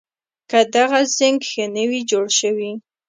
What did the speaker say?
که دغه زېنک ښه نه وي جوړ شوي